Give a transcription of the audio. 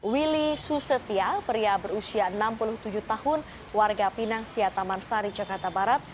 willy susetia pria berusia enam puluh tujuh tahun warga pinang sia taman sari jakarta barat